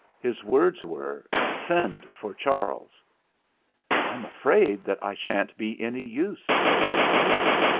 His words were, 'Send for Charles.' ' "I'm afraid that I sha'n't be any use," said Charles.